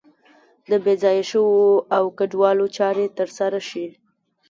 د بې ځایه شویو او کډوالو چارې تر سره شي.